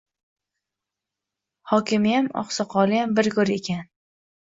Hokimiyam oqsoqoliyam bir go‘r ekan.